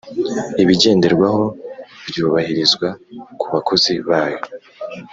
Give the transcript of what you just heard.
ibigenderwaho byubahirizwa ku bakozi bayo